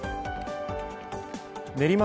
練馬